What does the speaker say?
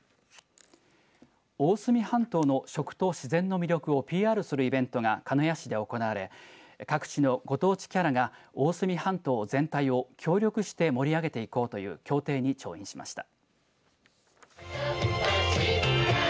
大隅半島の食と自然の魅力をＰＲするイベントが鹿屋市で行われ各地のご当地キャラが大隅半島全体を協力して盛り上げていこうという協定に調印しました。